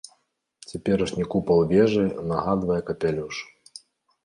Цяперашні купал вежы нагадвае капялюш!